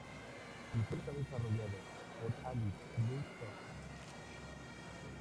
El juego está desarrollado por "Alice Blue Soft.